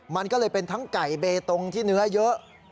มันก็เลยเป็นทั้งไก่เบตงที่เนื้อเยอะ